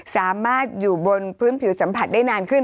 สามารถอยู่บนพื้นผิวสัมผัสได้นานขึ้น